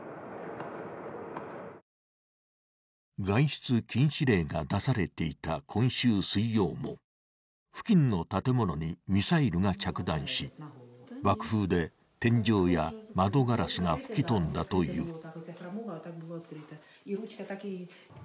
外出禁止令が出されていた今週水曜も付近の建物にミサイルが着弾し、爆風で天井や窓ガラスが吹き飛んだという。